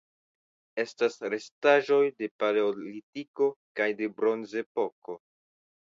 Estas restaĵoj de Paleolitiko kaj de Bronzepoko.